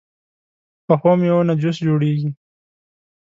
پخو میوو نه جوس جوړېږي